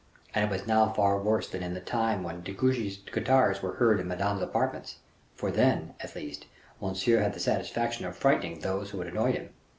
And it was now far worse than in the time when De Guiche's guitars were heard in Madame's apartments; for, then, at least, Monsieur had the satisfaction of frightening those who annoyed him.